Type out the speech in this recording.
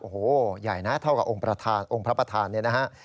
โอ้โหใหญ่นะเท่ากับองค์ประธานองค์พระประธานเนี่ยนะฮะ